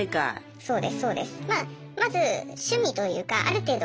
そうです。